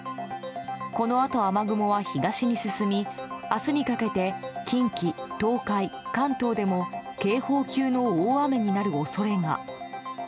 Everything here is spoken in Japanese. このあと雨雲は東に進み明日にかけて近畿、東海、関東でも警報級の大雨になる恐れが。